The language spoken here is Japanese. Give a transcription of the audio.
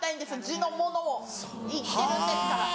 地のものを行ってるんですから。